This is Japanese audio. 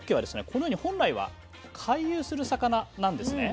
このように本来は回遊する魚なんですね。